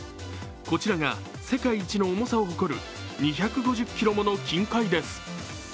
こちらが世界一の重さを誇る２５０ｋｇもの金塊です。